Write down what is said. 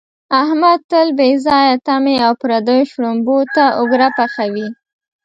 احمد تل بې ځایه تمې او پردیو شړومبو ته اوګره پحوي.